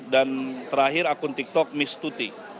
dan terakhir akun tiktok miss tuti